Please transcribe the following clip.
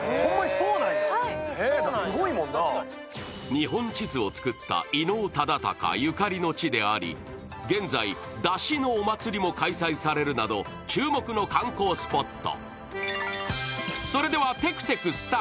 日本地図を作った伊能忠敬ゆかりの地であり現在、山車のお祭りも開催されるなど注目の観光スポット。